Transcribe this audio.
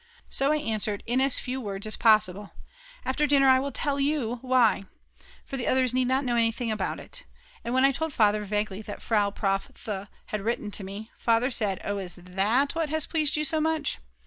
So I answered in as few words as possible: "After dinner I will tell you why." For the others need not know anything about it. And when I told Father vaguely that Frau Prof. Th. had written to me, Father said: "Oh, is that what has pleased you so much.